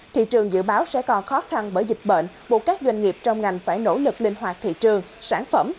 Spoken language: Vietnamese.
thị trường dự báo sẽ còn khó khăn bởi dịch bệnh buộc các doanh nghiệp trong ngành phải nỗ lực linh hoạt thị trường sản phẩm